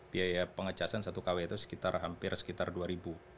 biaya pengecasan satu kw itu sekitar hampir sekitar rp dua